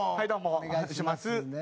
お願いしますね。